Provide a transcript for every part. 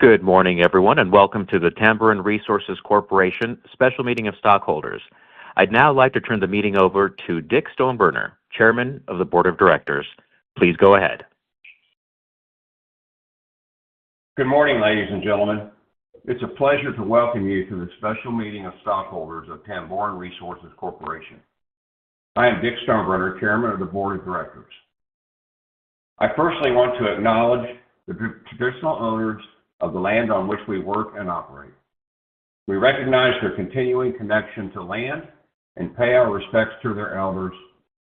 Good morning, everyone. Welcome to the Tamboran Resources Corporation special meeting of stockholders. I'd now like to turn the meeting over to Dick Stoneburner, Chairman of the Board of Directors. Please go ahead. Good morning, ladies and gentlemen. It's a pleasure to welcome you to the special meeting of stockholders of Tamboran Resources Corporation. I am Dick Stoneburner, chairman of the board of directors. I personally want to acknowledge the traditional owners of the land on which we work and operate. We recognize their continuing connection to land and pay our respects to their elders,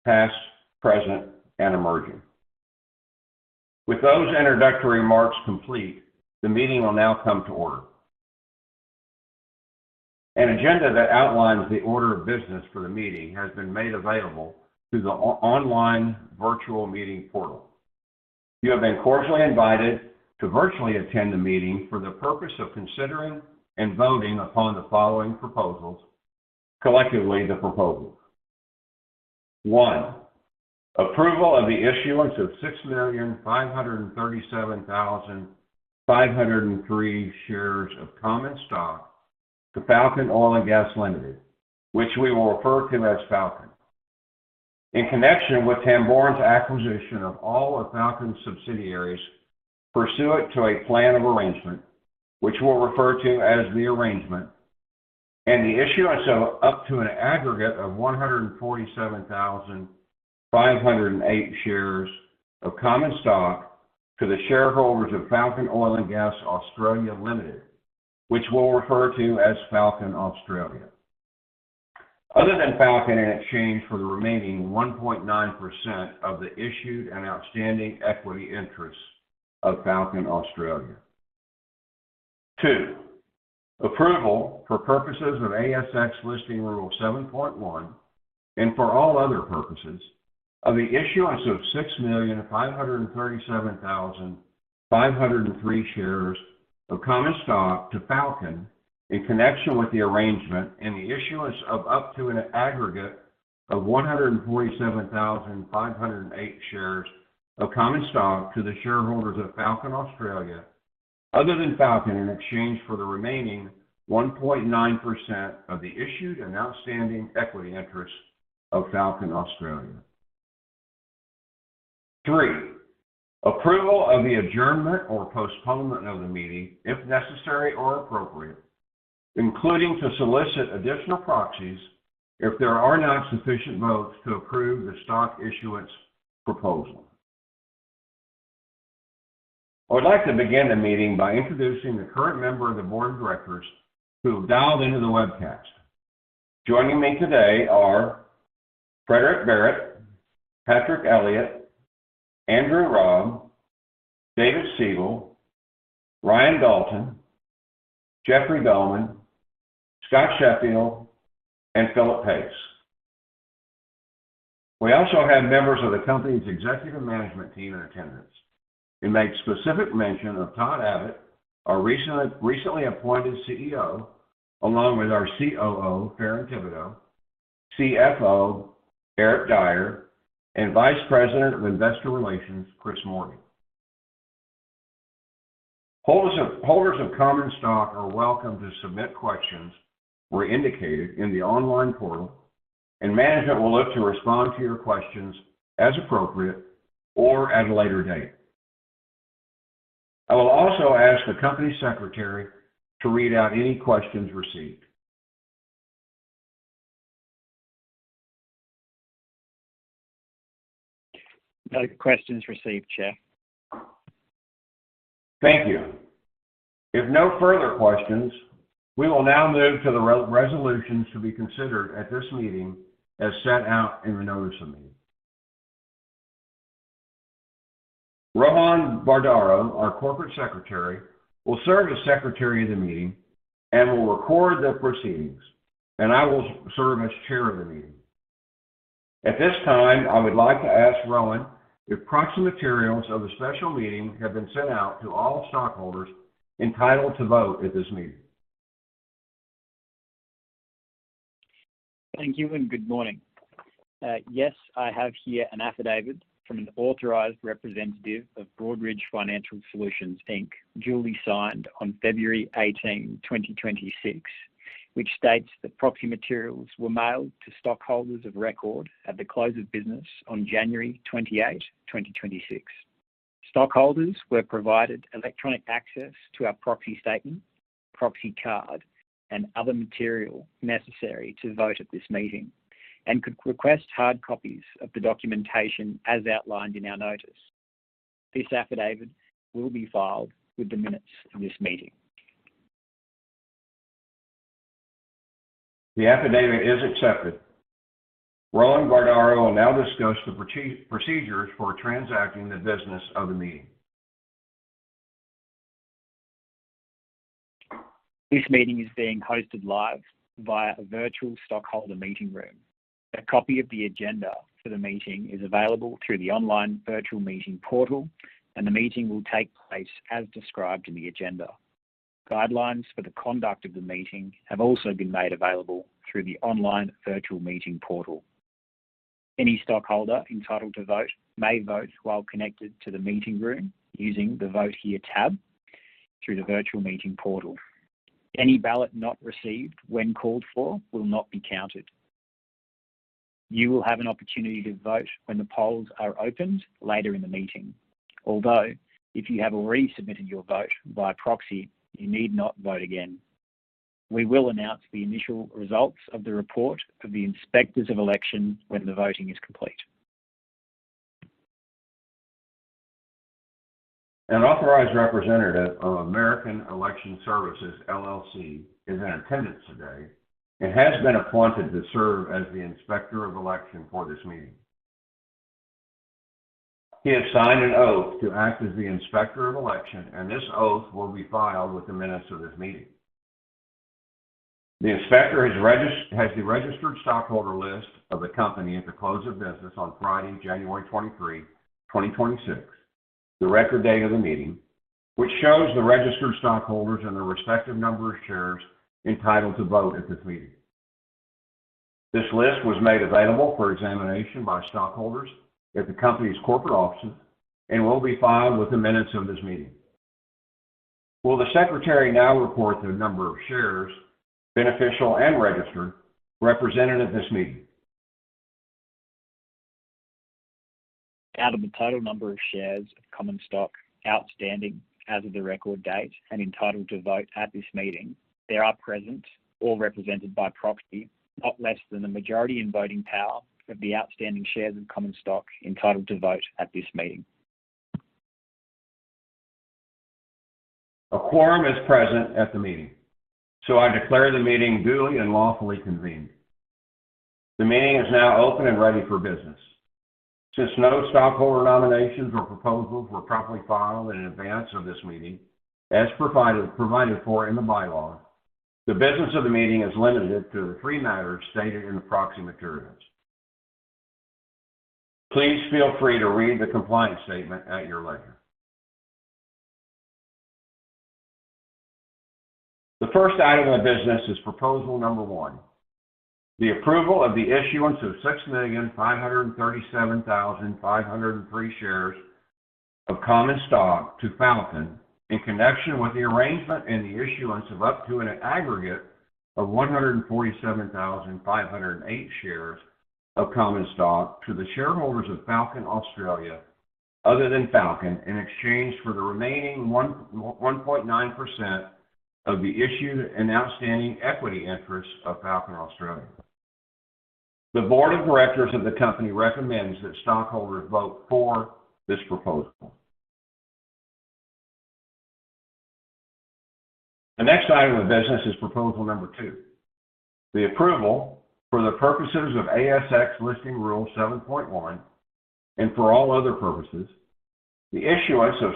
past, present, and emerging. With those introductory remarks complete, the meeting will now come to order. An agenda that outlines the order of business for the meeting has been made available through the online virtual meeting portal. You have been cordially invited to virtually attend the meeting for the purpose of considering and voting upon the following proposals. Collectively, the proposals. One, approval of the issuance of 6,537,503 shares of common stock to Falcon Oil & Gas Ltd., which we will refer to as Falcon. In connection with Tamboran's acquisition of all of Falcon's subsidiaries, pursuant to a plan of arrangement, which we'll refer to as the arrangement, and the issuance of up to an aggregate of 147,508 shares of common stock to the shareholders of Falcon Oil & Gas Australia Limited, which we'll refer to as Falcon Australia. Other than Falcon in exchange for the remaining 1.9% of the issued and outstanding equity interests of Falcon Australia. Two, approval for purposes of ASX Listing Rule 7.1 and for all other purposes of the issuance of 6,537,503 shares of common stock to Falcon in connection with the arrangement and the issuance of up to an aggregate of 147,508 shares of common stock to the shareholders of Falcon Australia other than Falcon in exchange for the remaining 1.9% of the issued and outstanding equity interest of Falcon Australia. Three, approval of the adjournment or postponement of the meeting, if necessary or appropriate, including to solicit additional proxies if there are not sufficient votes to approve the stock issuance proposal. I would like to begin the meeting by introducing the current member of the board of directors who have dialed into the webcast. Joining me today are Fredrick Barrett, Patrick Elliott, Andrew Robb, David Siegel, Ryan Dalton, Jeffrey Bellman, Scott Sheffield, and Phillip Pace. We also have members of the company's executive management team in attendance. We make specific mention of Todd Abbott, our recent, recently appointed CEO, along with our COO, Faron Thibodeaux, CFO, Eric Dyer, and Vice President of Investor Relations, Chris Morbey. Holders of common stock are welcome to submit questions where indicated in the online portal, and management will look to respond to your questions as appropriate or at a later date. I will also ask the Company Secretary to read out any questions received. No questions received, Chair. Thank you. If no further questions, we will now move to the resolutions to be considered at this meeting as set out in the notice of meeting. Rohan Vardaro, our Corporate Secretary, will serve as secretary of the meeting and will record the proceedings, and I will serve as chair of the meeting. At this time, I would like to ask Rohan if proxy materials of the special meeting have been sent out to all stockholders entitled to vote at this meeting. Thank you. Good morning. Yes, I have here an affidavit from an authorized representative of Broadridge Financial Solutions, Inc., duly signed on 18 February 2026, which states that proxy materials were mailed to stockholders of record at the close of business on 28 January 2026. Stockholders were provided electronic access to our proxy statement, proxy card, and other material necessary to vote at this meeting and could request hard copies of the documentation as outlined in our notice. This affidavit will be filed with the minutes of this meeting. The affidavit is accepted. Rohan Vardaro will now discuss the procedures for transacting the business of the meeting. This meeting is being hosted live via a virtual stockholder meeting room. A copy of the agenda for the meeting is available through the online virtual meeting portal, and the meeting will take place as described in the agenda. Guidelines for the conduct of the meeting have also been made available through the online virtual meeting portal. Any stockholder entitled to vote may vote while connected to the meeting room using the Vote Here tab through the virtual meeting portal. Any ballot not received when called for will not be counted. You will have an opportunity to vote when the polls are opened later in the meeting. Although, if you have already submitted your vote by proxy, you need not vote again. We will announce the initial results of the report of the Inspectors of Election when the voting is complete. An authorized representative of American Election Services, LLC is in attendance today and has been appointed to serve as the Inspector of Election for this meeting. He has signed an oath to act as the Inspector of Election. This oath will be filed with the minutes of this meeting. The inspector has the registered stockholder list of the company at the close of business on Friday, 23 January 2026, the record date of the meeting, which shows the registered stockholders and their respective number of shares entitled to vote at this meeting. This list was made available for examination by stockholders at the company's corporate offices and will be filed with the minutes of this meeting. Will the secretary now report the number of shares, beneficial and registered, represented at this meeting? Out of the total number of shares of common stock outstanding as of the record date and entitled to vote at this meeting, there are present or represented by proxy, not less than the majority in voting power of the outstanding shares of common stock entitled to vote at this meeting. A quorum is present at the meeting. I declare the meeting duly and lawfully convened. The meeting is now open and ready for business. Since no stockholder nominations or proposals were properly filed in advance of this meeting, as provided for in the bylaws, the business of the meeting is limited to the three matters stated in the proxy materials. Please feel free to read the compliance statement at your leisure. The first item of business is proposal number one, the approval of the issuance of 6,537,503 shares of common stock to Falcon in connection with the arrangement and the issuance of up to an aggregate of 147,508 shares of common stock to the shareholders of Falcon Australia, other than Falcon, in exchange for the remaining 1.9% of the issued and outstanding equity interests of Falcon Australia. The board of directors of the company recommends that stockholders vote for this proposal. The next item of business is proposal number two, the approval for the purposes of ASX Listing Rule 7.1 and for all other purposes, the issuance of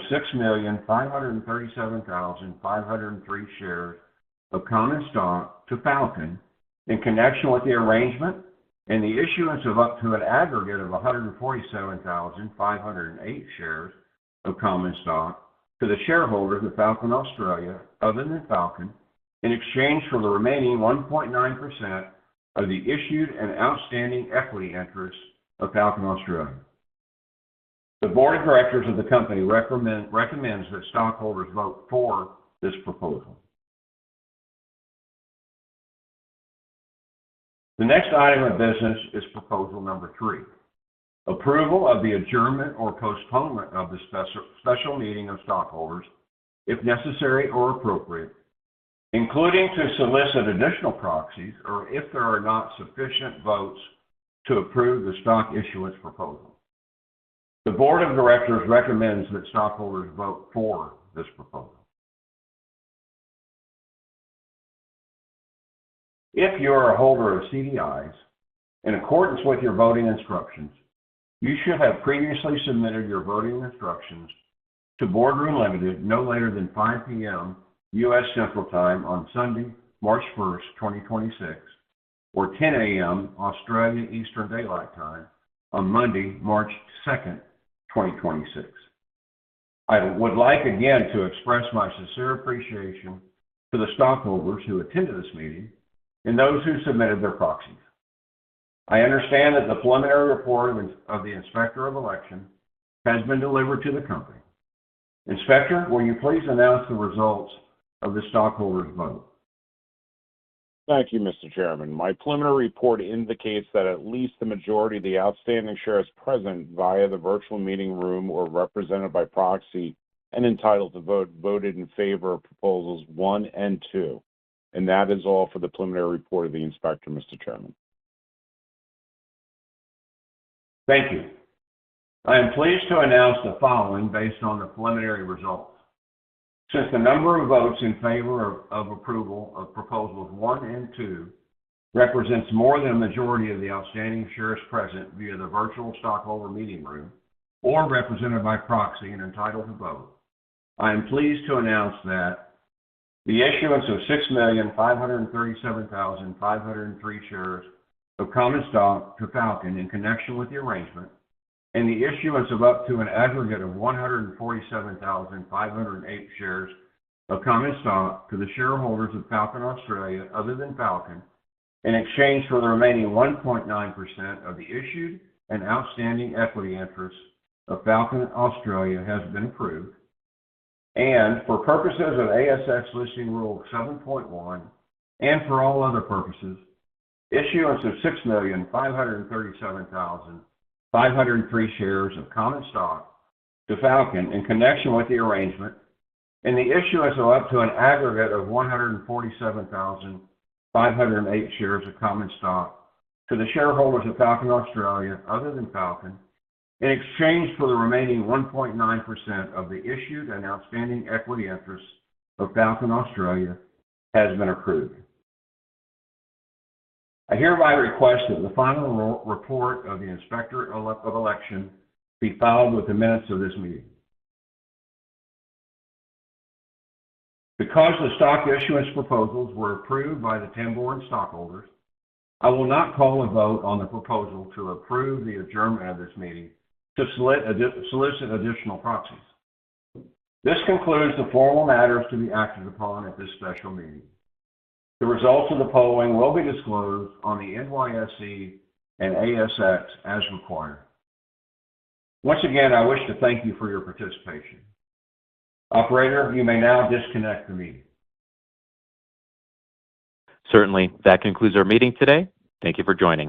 6,537,503 shares of common stock to Falcon in connection with the arrangement and the issuance of up to an aggregate of 147,508 shares of common stock to the shareholders of Falcon Australia, other than Falcon, in exchange for the remaining 1.9% of the issued and outstanding equity interests of Falcon Australia. The board of directors of the company recommends that stockholders vote for this proposal. The next item of business is proposal number three, approval of the adjournment or postponement of the special Meeting of Stockholders, if necessary or appropriate, including to solicit additional proxies or if there are not sufficient votes to approve the stock issuance proposal. The board of directors recommends that stockholders vote for this proposal. If you are a holder of CDIs, in accordance with your voting instructions, you should have previously submitted your voting instructions to Boardroom Limited no later than 5:00 P.M. US Central Time on Sunday, 1st March 2026, or 10:00 A.M. Australia Eastern Daylight Time on Monday, 2nd March 2026. I would like again to express my sincere appreciation to the stockholders who attended this meeting and those who submitted their proxies. I understand that the preliminary report of the Inspector of Election has been delivered to the company. Inspector, will you please announce the results of the stockholders vote? Thank you, Mr. Chairman. My preliminary report indicates that at least the majority of the outstanding shares present via the virtual meeting room or represented by proxy and entitled to vote, voted in favor of proposals one and two. That is all for the preliminary report of the Inspector, Mr. Chairman. Thank you. I am pleased to announce the following based on the preliminary results. Since the number of votes in favor of approval of proposals one and two represents more than a majority of the outstanding shares present via the virtual stockholder meeting room or represented by proxy and entitled to vote, I am pleased to announce that the issuance of 6,537,503 shares of common stock to Falcon in connection with the arrangement and the issuance of up to an aggregate of 147,508 shares of common stock to the shareholders of Falcon Australia, other than Falcon, in exchange for the remaining 1.9% of the issued and outstanding equity interests of Falcon Australia has been approved. For purposes of ASX Listing Rule 7.1, and for all other purposes, issuance of 6,537,503 shares of common stock to Falcon in connection with the arrangement and the issuance of up to an aggregate of 147,508 shares of common stock to the shareholders of Falcon Australia, other than Falcon, in exchange for the remaining 1.9% of the issued and outstanding equity interests of Falcon Australia has been approved. I hereby request that the final re-report of the Inspector of Election be filed with the minutes of this meeting. Because the stock issuance proposals were approved by the 10 board stockholders, I will not call a vote on the proposal to approve the adjournment of this meeting to solicit additional proxies. This concludes the formal matters to be acted upon at this special meeting. The results of the polling will be disclosed on the NYSE and ASX as required. Once again, I wish to thank you for your participation. Operator, you may now disconnect the meeting. Certainly. That concludes our meeting today. Thank you for joining.